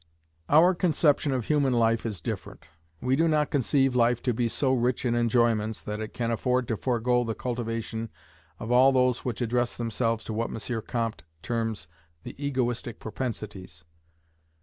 Our conception of human life is different. We do not conceive life to be so rich in enjoyments, that it can afford to forego the cultivation of all those which address themselves to what M. Comte terms the egoistic propensities.